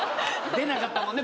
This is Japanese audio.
出なかったもんね